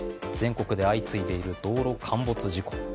全国で相次いでいる道路陥没事故。